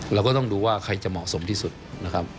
เราก็ต้องดูว่าใครจะเหมาะสมที่สุดนะครับ